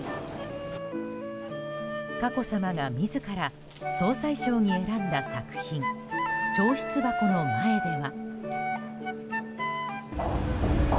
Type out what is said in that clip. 佳子さまが自ら総裁賞に選んだ作品「彫漆箱」の前では。